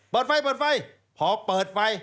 เปิดไฟพอเปิดไฟ